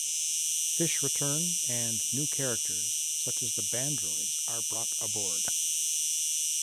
Fish return, and new characters, such as the Bandroids are brought aboard.